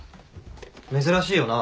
珍しいよな。